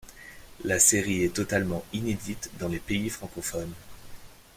La série est totalement inédite dans les pays francophones.